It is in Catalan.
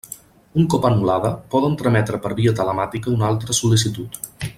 Un cop anul·lada, poden trametre per via telemàtica una altra sol·licitud.